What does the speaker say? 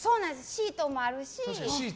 シートもあるし。